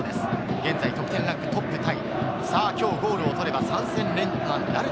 現在得点ランクトップタイ。